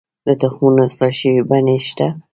د تخمونو اصلاح شوې بڼې شته؟